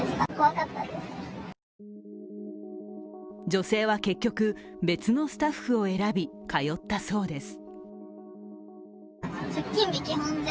女性は結局、別のスタッフを選び通ったそうです。